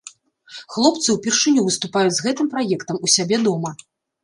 Хлопцы ўпершыню выступаюць з гэтым праектам у сябе дома.